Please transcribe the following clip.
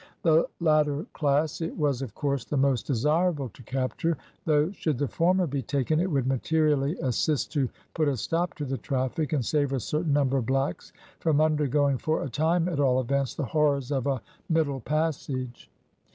The latter class it was of course the most desirable to capture, though should the former be taken it would materially assist to put a stop to the traffic, and save a certain number of blacks from undergoing, for a time, at all events, the horrors of a middle passage.